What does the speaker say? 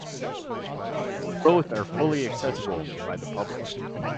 Both are fully accessible by the public.